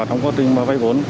trong quá trình vay vốn